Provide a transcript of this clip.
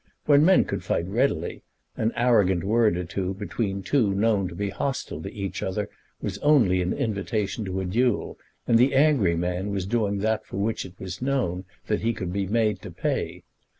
When men could fight readily, an arrogant word or two between two known to be hostile to each other was only an invitation to a duel, and the angry man was doing that for which it was known that he could be made to pay.